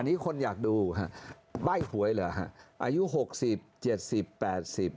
อันนี้คนอยากดูฮะใบ้หวยเหรอฮะอายุ๖๐๗๐๘๐ฮะ